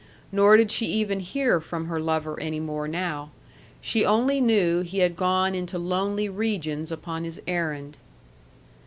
Nor did she even hear from her lover any more now. She only knew he had gone into lonely regions upon his errand.